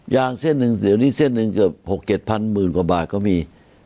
เส้นหนึ่งเดี๋ยวนี้เส้นหนึ่งเกือบ๖๗พันหมื่นกว่าบาทก็มี